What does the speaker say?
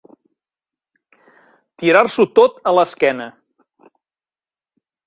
Tirar-s'ho tot a l'esquena.